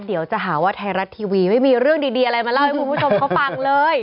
เดี๋ยวจะหาว่าไทยรัฐทีวีไม่มีเรื่องดีอะไรมาเล่าให้คุณผู้ชมเขาฟังเลย